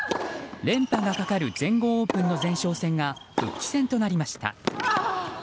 連覇がかかる全豪オープンの前哨戦が復帰戦となりました。